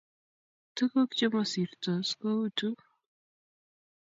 tukuk chemo sirtos koutu